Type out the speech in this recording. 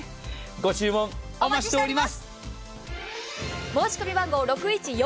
ご注文お待ちしております。